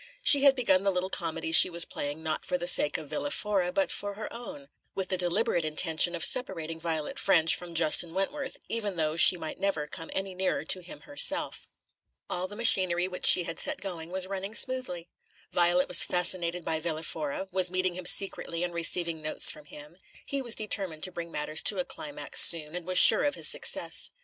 She had begun the little comedy she was playing not for the sake of Villa Fora, but for her own, with the deliberate intention of separating Violet Ffrench from Justin Wentworth, even though she might never come any nearer to him herself. All the machinery which she had set going was running smoothly. Violet was fascinated by Villa Fora, was meeting him secretly and receiving notes from him; he was determined to bring matters to a climax soon, and was sure of his success.